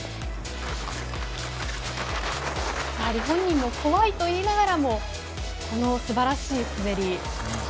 本人も怖いと言いながらもこのすばらしい滑り。